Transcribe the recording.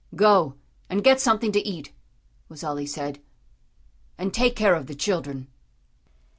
"Go and get something to eat," was all he said, "and take care of the children."